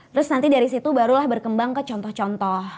terus nanti dari situ barulah berkembang ke contoh contoh